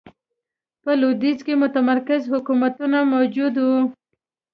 په لوېدیځ کې متمرکز حکومتونه موجود و.